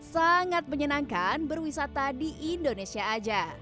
sangat menyenangkan berwisata di indonesia saja